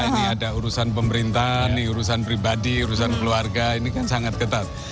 ini ada urusan pemerintahan ini urusan pribadi urusan keluarga ini kan sangat ketat